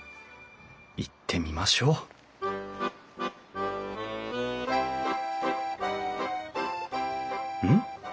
行ってみましょううん？